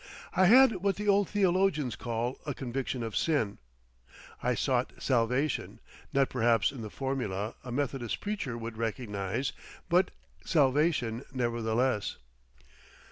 I had what the old theologians call a "conviction of sin." I sought salvation—not perhaps in the formula a Methodist preacher would recognise but salvation nevertheless.